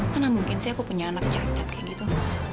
karena mungkin sih aku punya anak cacat kayak gitu